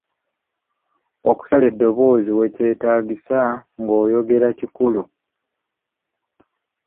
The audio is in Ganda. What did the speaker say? Okusala eddoboozi wekyetaagisa ng'oyogera kikulu.